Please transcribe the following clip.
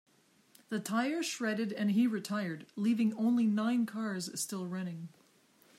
The tire shredded and he retired, leaving only nine cars still running.